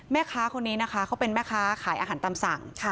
แม่ค้าคนนี้นะคะเขาเป็นแม่ค้าขายอาหารตามสั่ง